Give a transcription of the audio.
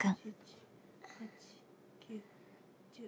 ７８９１０。